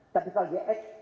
tapi kalau dia act